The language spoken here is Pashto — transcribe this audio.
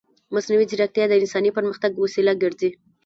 مصنوعي ځیرکتیا د انساني پرمختګ وسیله ګرځي.